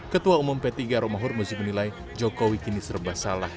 ketua umum p tiga romahur muzi menilai jokowi kini serba salah